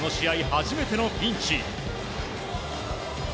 初めてのピンチ。